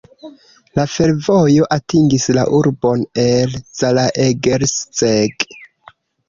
La fervojo atingis la urbon el Zalaegerszeg.